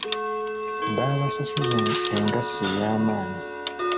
Baabasasuzza engassi ey'amaanyi.